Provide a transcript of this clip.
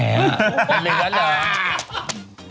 เป็นเรื่องนั้นเหรอ